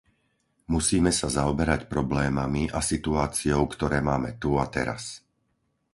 Musíme sa zaoberať problémami a situáciou, ktoré máme tu a teraz.